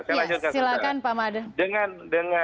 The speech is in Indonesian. silakan pak mada